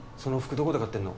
どこで買ってんの？